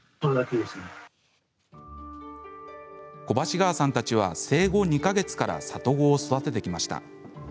小橋川さんたちは生後２か月から里子を育ててきました。